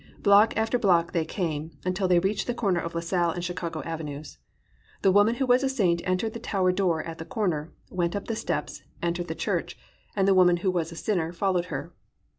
Block after block they came until they reached the corner of La Salle and Chicago Avenues. The woman who was a saint entered the tower door at the corner, went up the steps, entered the church, and the woman who was a sinner followed her.